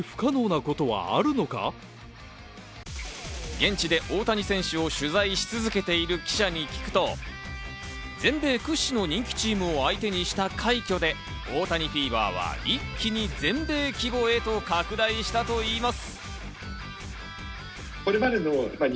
現地で大谷選手を取材し続けている記者に聞くと、全米屈指の人気チームを相手にした快挙で、オオタニフィーバーは一気に全米規模へと拡大したといいます。